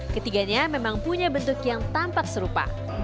ketiganya memang punya bentuk yang tampak serupa